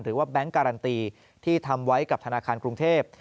แบงค์การันตีที่ทำไว้กับธนาคารกรุงเทพ